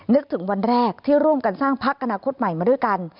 นึกถึงวันแรกที่ร่วมกันสร้างพักอนาคตใหม่มาด้วยกัน